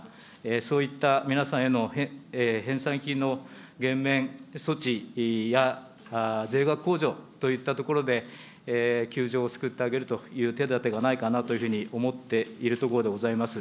そういった皆さんへの返済金の減免措置や税額控除といったところで、窮状を救ってあげるという手だてがないかなというふうに思っているところでございます。